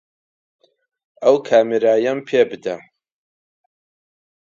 ئەو کامێرایەم پێ بدە.